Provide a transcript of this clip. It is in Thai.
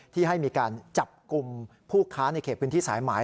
ที่ให้มีการจับกลุ่มผู้ค้าในเขตพื้นที่สายหมาย